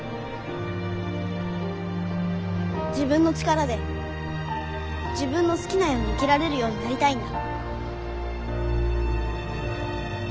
自分の力で自分の好きなように生きられるようになりたいんだ。